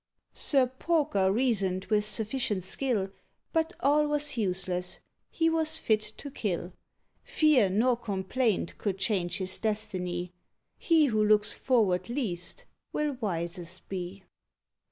Sir Porker reasoned with sufficient skill; But all was useless: he was fit to kill. Fear nor complaint could change his destiny: He who looks forward least will wisest be.